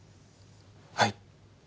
はい。